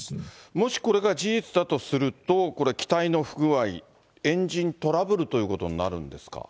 もしこれが事実だとすると、これ、機体の不具合、エンジントラブルということになるんですか？